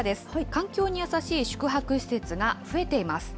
環境に優しい宿泊施設が増えています。